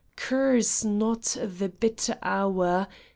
Curse not the bitter hour